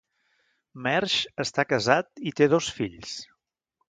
Mersch està casat i té dos fills.